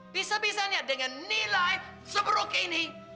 bisa bisanya dengan nilai seberuk ini